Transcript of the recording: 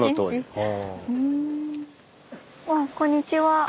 はいこんにちは。